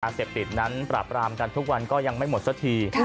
เสพติดนั้นปราบรามกันทุกวันก็ยังไม่หมดสักที